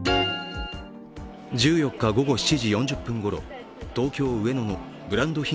１４日午後７時４０分ごろ、東京・上野のブランド品